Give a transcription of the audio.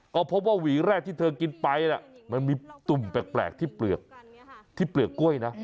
ก็พบว่าหวีแรกที่เธอกินไปมันมีตุ่มแปลกที่เปลือกที่เปลือกกล้วยนะ